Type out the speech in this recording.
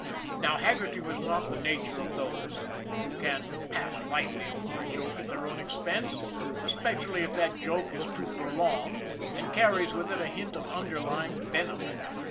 Now Haggerty was not the nature of those who can pass lightly over a joke at their own expense, especially if that joke be too prolonged and carries with it a hint of underlying venom.